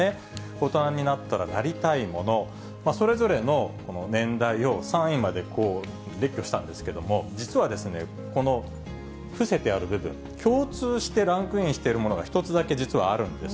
大人になったらなりたいもの、それぞれの年代を３位まで列挙したんですけれども、実はですね、この伏せてある部分、共通してランクインしているものが実は１つだけ、実はあるんです。